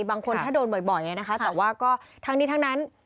บางคนถ้าโดนบ่อยนะคะแต่ว่าก็ทั้งนี้ทั้งนั้น